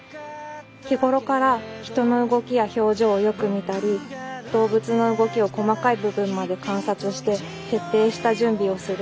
日頃から人の動きや表情をよく見たり動物の動きを細かい部分まで観察して徹底した準備をする。